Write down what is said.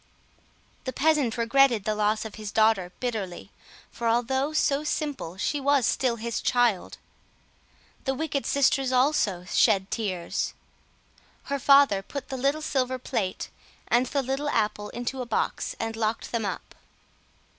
The peasant regretted the loss of his daughter bitterly; for although so simple she was still his child. The wicked sisters also shed tears. Her father put the little silver plate and the little apple into a box, and locked them up.